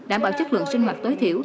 đảm bảo chất lượng sinh hoạt tối thiểu